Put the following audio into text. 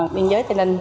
biên giới tây ninh